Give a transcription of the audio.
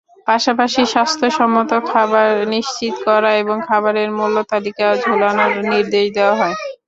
পাশাপাশি স্বাস্থ্যসম্মত খাবার নিশ্চিত করা এবং খাবারের মূল্যতালিকা ঝোলানোর নির্দেশ দেওয়া হয়।